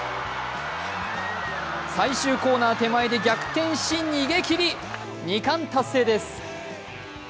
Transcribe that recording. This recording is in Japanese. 最終コーナー手前で逆転し逃げ切り、２冠達成です。